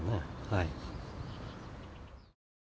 はい。